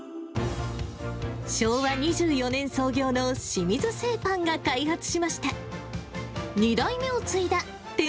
昭和２４年創業の清水製パンが開発しました。